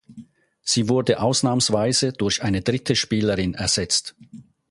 Sie wurde ausnahmsweise durch eine dritte Spielerin ersetzt.